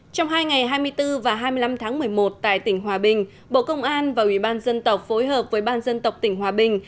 trong hai ngày hai mươi bốn và hai mươi năm tháng một mươi một tại tỉnh hòa bình bộ công an và ủy ban dân tộc phối hợp với ban dân tộc tỉnh hòa bình